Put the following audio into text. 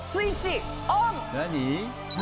何？